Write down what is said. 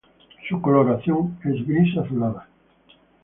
Su coloración es gris azulado.